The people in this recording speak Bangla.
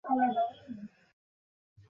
বিভা তাঁহার পা জড়াইয়া ধরিল।